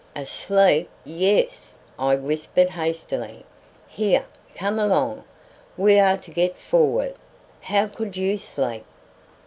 "Asleep! yes," I whispered hastily. "Here, come along; we are to get forward. How could you sleep?"